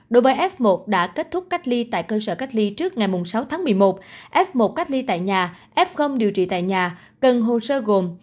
đối với f một đã kết thúc cách ly tại cơ sở cách ly trước ngày sáu tháng một mươi một f một cách ly tại nhà f điều trị tại nhà cần hồ sơ gồm